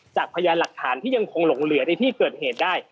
พยานหลักฐานที่ยังคงหลงเหลือในที่เกิดเหตุได้